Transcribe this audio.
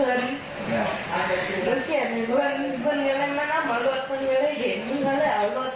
มันมันเอารถได้คุณก็เลยเอารถขึ้น